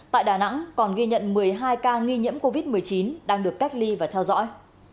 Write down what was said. tại đà nẵng còn ghi nhận một mươi hai ca nghi nhiễm covid một mươi chín đang được cách ly và theo dõi